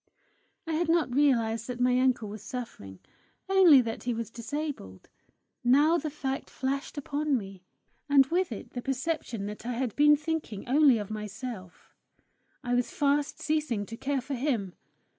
I had not realized that my uncle was suffering only that he was disabled; now the fact flashed upon me, and with it the perception that I had been thinking only of myself: I was fast ceasing to care for him!